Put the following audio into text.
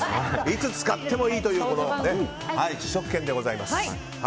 いつ使ってもいいという試食券でございます。